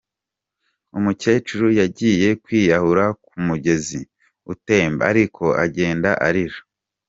Umukecuru yagiye kwiyahura ku mugezi utemba, ariko agenda arira.